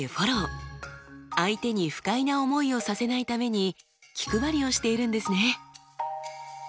相手に不快な思いをさせないために気配りをしているんですね。